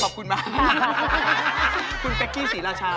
อันนี้๕๐กรัมคุณแป็กกี้ศีราชา